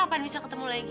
kapan kita ketemu lagi